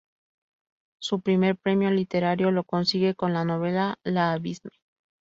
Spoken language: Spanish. Su primer premio literario lo consigue con la novela "L’Abisme".